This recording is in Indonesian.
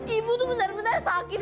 ibu tuh benar benar sakit